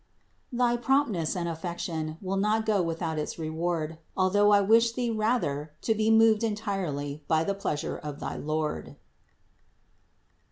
Thy promptness and affection will not go without its reward, although I wish thee rather to be moved entirely by the pleasure of thy Lord.